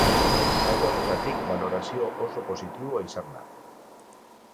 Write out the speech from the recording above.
Alde horretatik, balorazioa oso positiboa izan da.